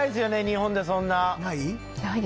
日本でそんなない？